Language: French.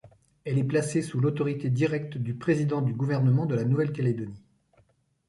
Elle est placée sous l'autorité directe du président du gouvernement de la Nouvelle-Calédonie.